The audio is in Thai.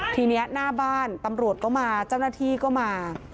ทีนี้หน้าบ้านตำรวจก็มาเจ้าหน้าที่ก็มา